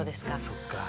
そっか。